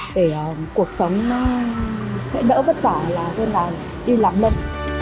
để cuộc sống sẽ đỡ vất vả hơn là yêu lắm lắm